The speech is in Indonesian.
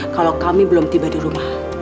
kalau kami belum tiba di rumah